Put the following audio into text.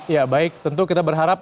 ya baik tentu kita berharap